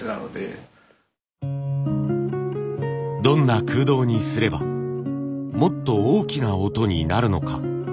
どんな空洞にすればもっと大きな音になるのか。